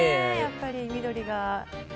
緑が。